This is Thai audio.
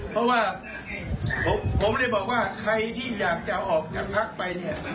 เพราะว่าผมได้บอกว่าใครที่อยากจะออกจากพักไปเนี่ย